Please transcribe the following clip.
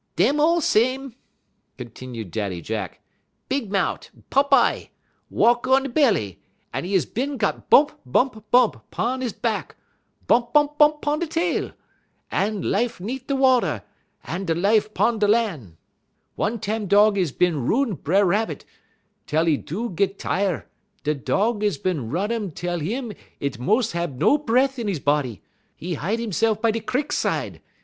"Dem all sem," continued Daddy Jack. "Big mout', pop eye, walk on 'e belly; 'e is bin got bump, bump, bump 'pon 'e bahk, bump, bump, bump 'pon 'e tail. 'E dife 'neat' de water, 'e do lif 'pon de lan'. "One tam Dog is bin run B'er Rabbit, tel 'e do git tire; da' Dog is bin run 'im tel him ent mos' hab no bre't' in 'e body; 'e hide 'ese'f by de crik side.